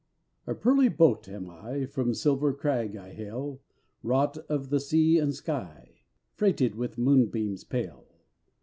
A pearly boat am I, From Silver Crag I hail, Wrought of the sea and sky, Freighted with moonbeams pale.